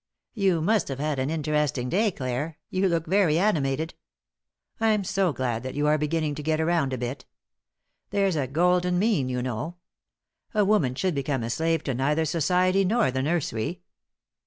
"You must have had an interesting day, Clare. You look very animated. I am so glad that you are beginning to get around a bit. There's a golden mean, you know. A woman should become a slave to neither society nor the nursery."